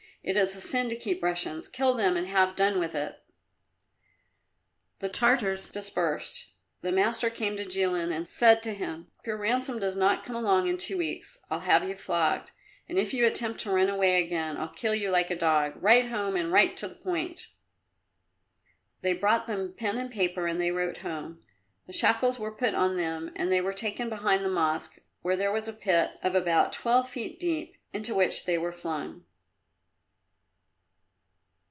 It is a sin to keep Russians. Kill them and have done with it." The Tartars dispersed. The master came to Jilin and said to him, "If your ransom does not come in two weeks, I'll have you flogged, and if you attempt to run away again, I'll kill you like a dog. Write home, and write to the point!" They brought them pen and paper and they wrote home. The shackles were put on them and they were taken behind the Mosque, where there was a pit of about twelve feet deep, into which they were flung.